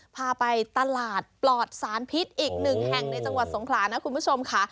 พาไปตลาดปลอดสารพิษอีกหนึ่งแห่งในจังหวัดสงขลานะคุณผู้ชมค่ะ